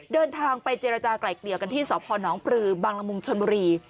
เดินทางไปเจรจากลายเกลี่ยกันที่สพนปรือบางละมุงชนบุรี